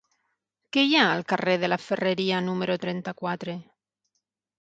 Què hi ha al carrer de la Ferreria número trenta-quatre?